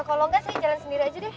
kalau enggak saya jalan sendiri aja deh